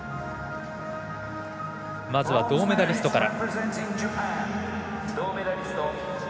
まずは銅メダリストから。